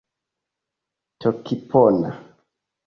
tokipona